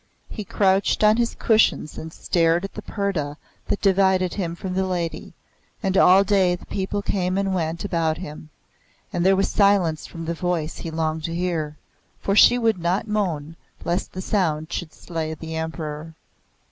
He crouched on his cushions and stared at the purdah that divided him from the Lady; and all day the people came and went about him, and there was silence from the voice he longed to hear; for she would not moan, lest the sound should slay the Emperor.